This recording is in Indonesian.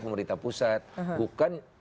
pemerintah pusat bukan